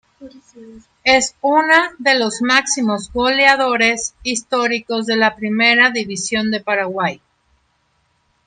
Es una de los máximos goleadores históricos de la Primera División de Paraguay.